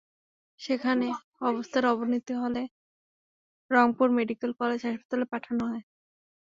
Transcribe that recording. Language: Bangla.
সেখানে অবস্থার অবনতি হলে তাকে রংপুর মেডিকেল কলেজ হাসপাতালে পাঠানো হয়।